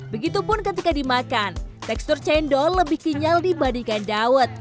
begitupun ketika dimakan tekstur cendol lebih kenyal dibandingkan dawet